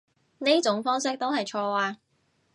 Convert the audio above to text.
呢種方式都係錯啊